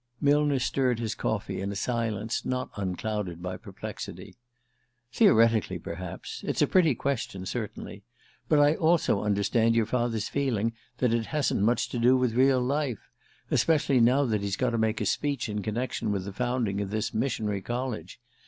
Millner stirred his coffee in a silence not unclouded by perplexity. "Theoretically, perhaps. It's a pretty question, certainly. But I also understand your father's feeling that it hasn't much to do with real life: especially now that he's got to make a speech in connection with the founding of this Missionary College.